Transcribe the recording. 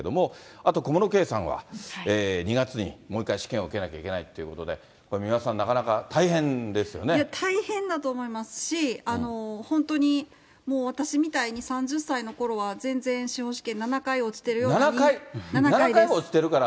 あと、小室圭さんは２月にもう１回、試験を受けなきゃいけないということで、これ、三輪さん、なかな大変だと思いますし、本当に私みたいに３０歳のころは全然、７回、７回も落ちてるから。